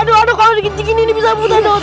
aduh aduh kalau di kincing gini bisa putar dot